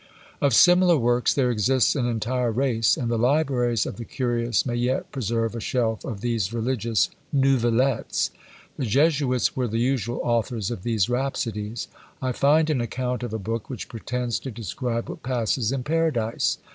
Of similar works there exists an entire race, and the libraries of the curious may yet preserve a shelf of these religious nouvellettes. The Jesuits were the usual authors of these rhapsodies. I find an account of a book which pretends to describe what passes in Paradise.